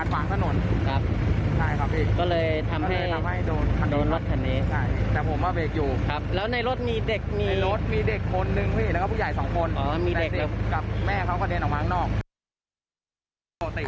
อ๋อมีเด็กแล้วก็แม่เขาก็เดินออกมาข้างนอก